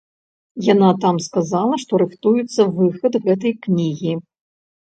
Яна там сказала, што рыхтуецца выхад гэтай кнігі.